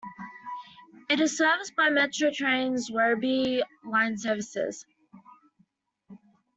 It is serviced by Metro Trains' Werribee line services.